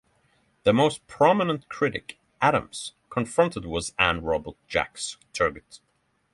The most prominent critic Adams confronted was Anne Robert Jacques Turgot.